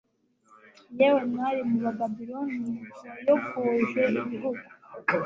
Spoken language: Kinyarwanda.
yewe, mwari wa babiloni, wayogoje ibihugu